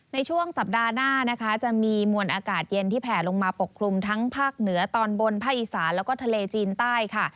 ในช่วงสัปดาห์หน้านะคะจะมีมวลอากาศเย็นที่แผ่ลงมาปกคลุมทั้งภาคเหนือตอนบนภาคอีสานแล้วก็ทะเลจีนใต้ค่ะ